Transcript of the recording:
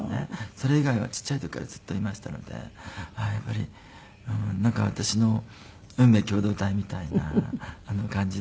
それ以外はちっちゃい時からずっといましたのでやっぱり私の運命共同体みたいな感じで。